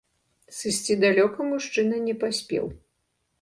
Сысці далёка мужчына не паспеў.